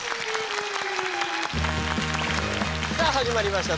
さあ始まりました